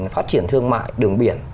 phát triển thương mại đường biển